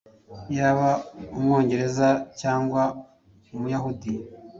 Yaba Umwongereza cyangwa Umuyahudi.